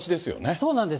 そうなんです。